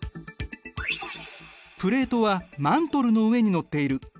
プレートはマントルの上にのっている。